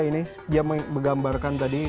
dia menggambarkan tadi